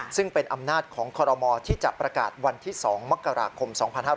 ซึ่งเป็นอำนาจของคอรมอที่จะประกาศวันที่๒มกราคม๒๕๕๙